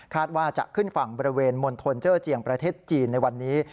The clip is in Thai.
ว่าจะขึ้นฝั่งบริเวณมณฑลเจอร์เจียงประเทศจีนในวันนี้